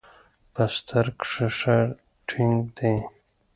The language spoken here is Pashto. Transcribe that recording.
په ستر کښې ښه ټينګ دي.